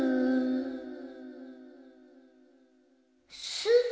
す！